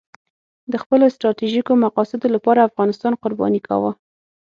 د خپلو ستراتیژیکو مقاصدو لپاره افغانستان قرباني کاوه.